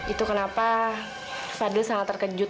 itu kenapa fadli sangat terkejut